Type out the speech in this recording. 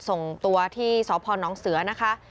ส่งตัวที่สพนเสือนะคะ